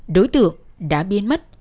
đối tượng đã biến mất